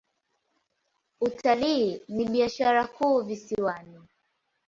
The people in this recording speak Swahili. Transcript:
Utalii ni biashara kuu visiwani.